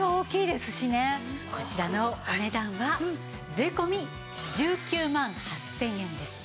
こちらのお値段は税込１９万８０００円です。